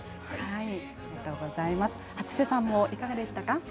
初瀬さんもいかがでしたか。